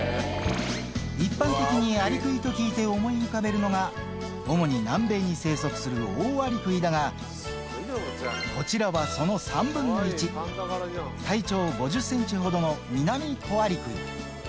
一般的にアリクイと聞いて思い浮かべるのが、主に南米に生息するオオアリクイだが、こちらはその３分の１、体長５０センチほどのミナミコアリクイ。